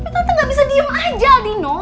tapi tante gak bisa diem aja aldino